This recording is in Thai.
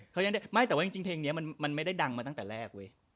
เขายังได้ไม่แต่ว่าจริงเพลงนี้มันไม่ได้ดังมาตั้งแต่แรกเว้ย